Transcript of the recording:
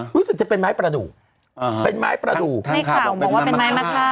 รู้สึกจะเป็นไม้ประดูกเป็นไม้ประดูกในข่าวมองว่าเป็นไม้มะค่า